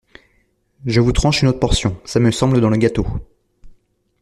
Je vous tranche une autre portion, ce me semble dans le gâteau.